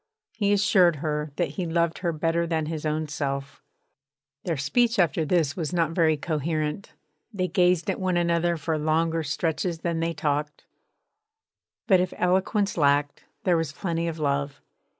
He assured her that he loved her better than his own self. Their speech after this was not very coherent; they gazed at one another for longer stretches than they talked; but if eloquence lacked, there was plenty of love.